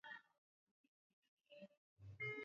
Aifai mama abakiye bila ku tumika